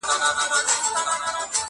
له ازله یو قانون د حکومت دی!.